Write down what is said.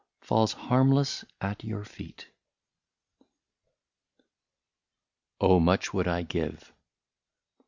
Falls harmless at your feet. 17 '' OH ! MUCH WOULD I GIVE."